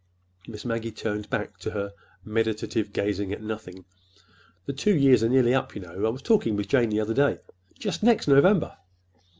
Miss Maggie turned back to her meditative gazing at nothing. "The two years are nearly up, you know,—I was talking with Jane the other day—just next November."